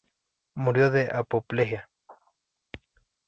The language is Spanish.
Murió de apoplejía.